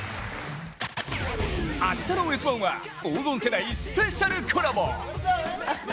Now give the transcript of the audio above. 明日の「Ｓ☆１」は黄金世代スペシャルコラボ。